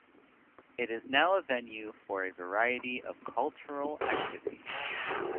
It is now a venue for a variety of cultural activities.